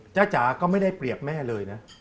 จ๋าก็ไม่ได้เปรียบแม่เลยนะ